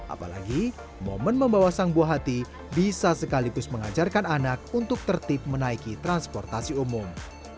apalagi momen membawa sang buah hati bisa sekaligus mengajarkan anak untuk tertip menaiki transportasi umum